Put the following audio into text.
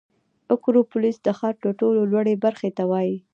اکروپولیس د ښار تر ټولو لوړې برخې ته وایي.